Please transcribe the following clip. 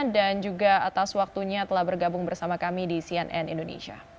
dan juga atas waktunya telah bergabung bersama kami di cnn indonesia